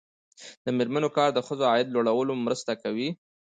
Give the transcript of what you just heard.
د میرمنو کار د ښځو عاید لوړولو مرسته کوي.